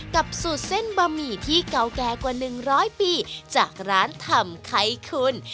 กับสูตรเส้นบะหมี่ที่เก่าแก่กว่า๑๐๐ปีจากร้านทำไข่คุณ